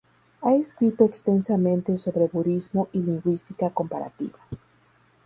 Ha escrito extensamente sobre budismo y lingüística comparativa.